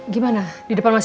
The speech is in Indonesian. diberikan enak enak mana